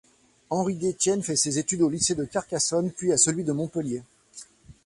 Henry d'Estienne fait ses études au lycée de Carcassonne, puis à celui de Montpellier.